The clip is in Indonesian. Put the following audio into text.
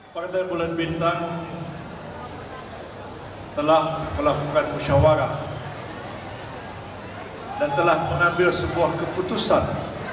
partai bulan bintang telah melakukan musyawarah dan telah mengambil sebuah keputusan